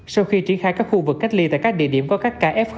sau khi tri khai các khu vực cách ly tại các địa điểm có các kf